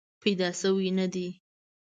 پیدا شوې نه دي.